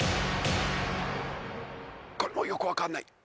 これもよく分かんない。